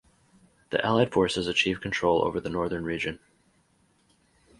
The Allied Forces achieve control over the northern region.